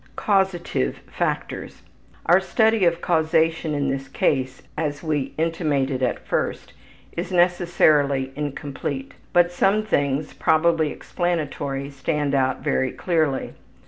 Causative Factors: Our study of causation in this case, as we intimated at first, is necessarily incomplete. But some things, probably explanatory, stand out very clearly.